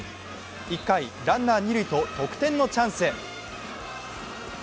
１回、ランナー二塁と得点のチャンス。